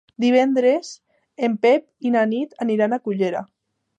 Divendres en Pep i na Nit aniran a Cullera.